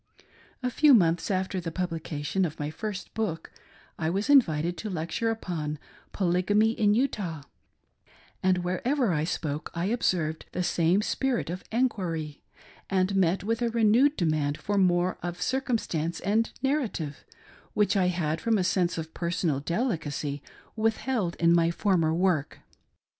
A few months after the publication of my first book, I was invited to lecture upon " Polygamy in Utah," and wherever I spoke I observed the same spirit of enquiry and met with a renewed demand for more of circumstance and narrative — which I had, from a sense of personal delicacy, withheld in my former work.